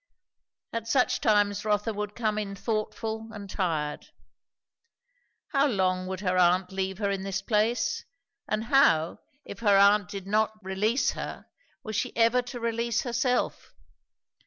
At such times Rotha would come in thoughtful and tired. How long would her aunt leave her in this place? and how, if her aunt did not release her, was she ever to release herself?